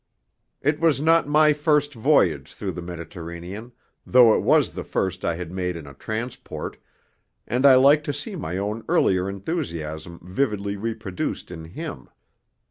It was not my first voyage through the Mediterranean, though it was the first I had made in a transport, and I liked to see my own earlier enthusiasm vividly reproduced in him.